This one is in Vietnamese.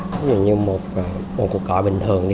ví dụ như một cuộc gọi bình thường